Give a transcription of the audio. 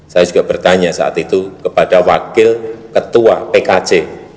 saya juga bertanya saat itu kepada wakil ketua pkc